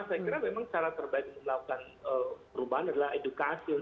saya kira memang cara terbaik untuk melakukan perubahan adalah edukasi